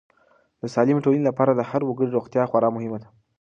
د سالمې ټولنې لپاره د هر وګړي روغتیا خورا مهمه ده.